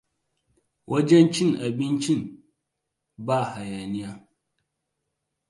Wajen cin abincin ba hayaniya.